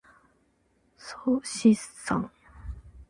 っそしっさん。